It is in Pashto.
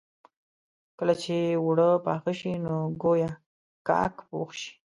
کله چې اوړه پاخه شي نو ګويا کاک پوخ شي.